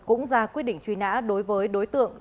cũng ra quyết định truy nã đối với đối tượng